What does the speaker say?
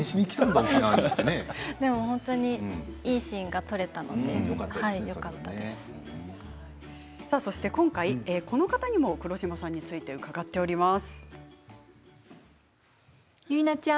でも本当にいいシーンが今回この方にも黒島さんについて伺っています。